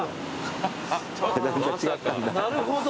なるほど。